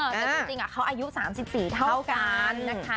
แต่จริงเขาอายุ๓๔เท่ากันนะคะ